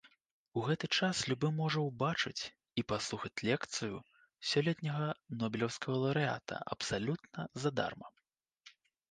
У гэты час любы можа ўбачыць і паслухаць лекцыю сёлетняга нобелеўскага лаўрэата абсалютна задарма.